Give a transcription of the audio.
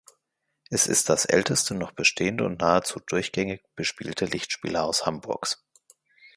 Es ist das älteste noch bestehende und nahezu durchgängig bespielte Lichtspielhaus Hamburgs.